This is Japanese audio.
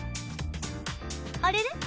あれれ？